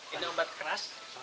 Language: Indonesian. ini obat keras